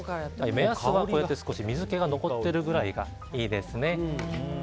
目安は少し水気が残ってるぐらいがいいですね。